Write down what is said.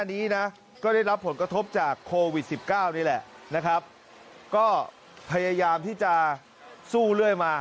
นะครับก็พยายามที่จะสู้เรื่อยมา